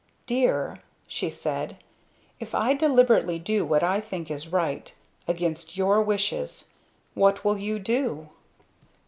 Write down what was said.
"Dear," she said. "If I deliberately do what I think is right against your wishes what will you do?"